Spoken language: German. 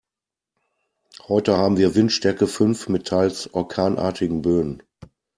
Heute haben wir Windstärke fünf mit teils orkanartigen Böen.